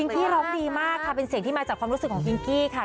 กี้ร้องดีมากค่ะเป็นเสียงที่มาจากความรู้สึกของพิงกี้ค่ะ